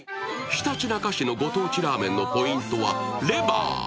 ひたちなか市のご当地ラーメンのポイントはレバー。